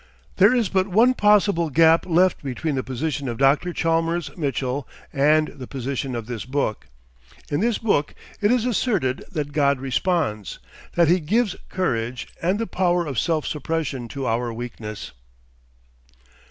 There is but one possible gap left between the position of Dr. Chalmers Mitchell and the position of this book. In this book it is asserted that GOD RESPONDS, that he GIVES courage and the power of self suppression to our weakness.